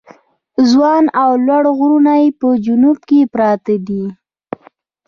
ځوان او لوړ غرونه یې په جنوب کې پراته دي.